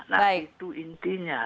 nah itu intinya